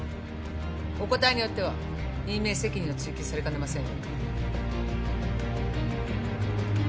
お答えによっては任命責任を追及されかねませんよ